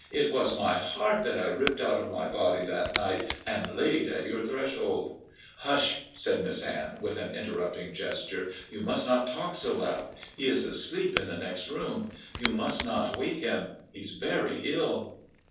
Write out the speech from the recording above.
It was my heart that I ripped out of my body that night and laid at your threshold." "Hush!" said Miss Anne, with an interrupting gesture. "You must not talk so loud. He is asleep in the next room. You mustn't wake him. He is very ill."